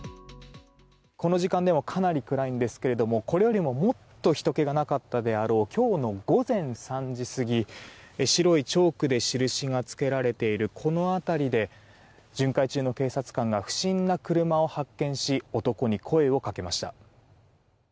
この時間でもかなり暗いんですけれどもこれよりももっと人気がなかったであろう今日の午前３時過ぎ白いチョークで印がつけられているこの辺りで巡回中の警察官が不審な車を発見し男に声をかけました。